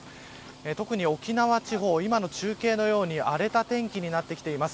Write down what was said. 特に沖縄地方今の中継のように荒れた天気になってきています。